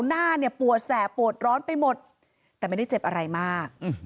หน้าเนี่ยปวดแสบปวดร้อนไปหมดแต่ไม่ได้เจ็บอะไรมาก